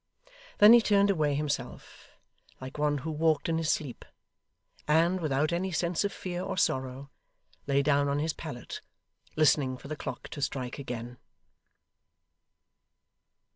Then he turned away himself, like one who walked in his sleep; and, without any sense of fear or sorrow, lay down on his pallet, listening for the clock to strike again.